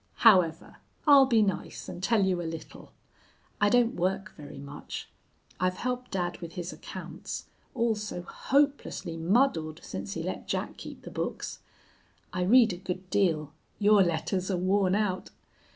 _ However, I'll be nice and tell you a little. I don't work very much. I've helped dad with his accounts, all so hopelessly muddled since he let Jack keep the books. I read a good deal. Your letters are worn out!